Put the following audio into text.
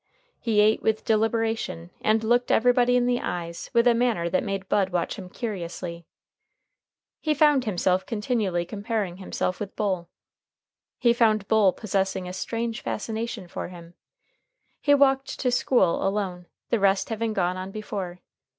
He ate with deliberation, and looked everybody in the eyes with a manner that made Bud watch him curiously. He found himself continually comparing himself with Bull. He found Bull possessing a strange fascination for him. He walked to school alone, the rest having gone on before.